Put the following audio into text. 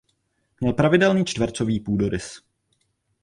Měl pravidelný čtvercový půdorys.